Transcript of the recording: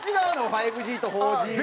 ５Ｇと４Ｇは。